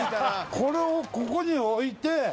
これをここに置いて。